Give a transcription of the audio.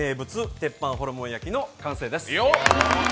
鉄板ホルモン焼きの完成です